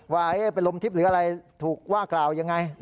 ว่าเป็นลมทิพย์หรืออะไรถูกว่ากล่าวยังไง